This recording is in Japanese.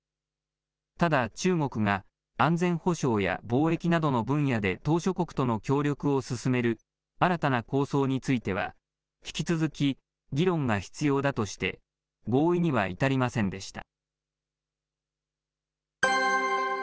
ただ、中国が安全保障や貿易などの分野で島しょ国との協力を進める新たな構想については、引き続き、議論が必要だとして、合意には至りませんでした。